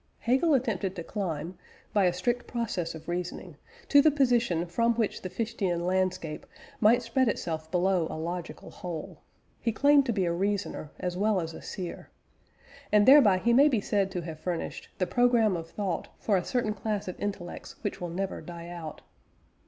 Hegel attempted to climb, by a strict process of reasoning, to the position from which the Fichtean landscape might spread itself below as a logical whole: he claimed to be a reasoner as well as a seer. And thereby he may be said to have furnished "the programme of thought for a certain class of intellects which will never die out."